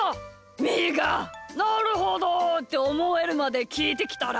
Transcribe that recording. みーが「なるほど！」っておもえるまできいてきたら？